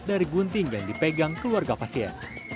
dari gunting yang dipegang keluarga pasien